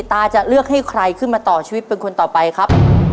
ตาจะเลือกให้ใครขึ้นมาต่อชีวิตเป็นคนต่อไปครับ